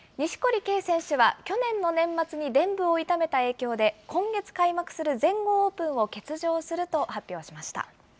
錦織圭選手は去年の年末にでん部を痛めた影響で、今月開幕する全豪オープンを欠場すると発表しました。